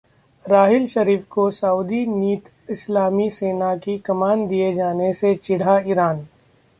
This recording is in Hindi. राहील शरीफ को सऊदी नीत इस्लामी सेना की कमान दिए जाने से चिढ़ा ईरान